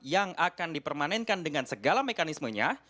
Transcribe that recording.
yang akan dipermanenkan dengan segala mekanismenya